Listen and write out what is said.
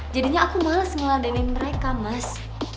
jadinya aku males ngeladeni mereka mas